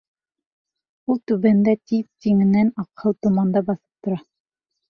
Ул түбәндә, теҙ тиңенән аҡһыл томанда баҫып тора.